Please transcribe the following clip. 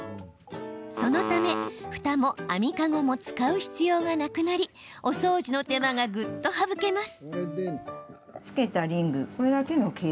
そのため、ふたも網かごも使う必要がなくなりお掃除の手間がぐっと省けます。